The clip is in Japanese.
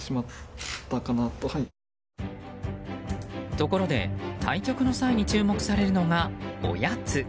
ところで、対極の際に注目されるのが、おやつ。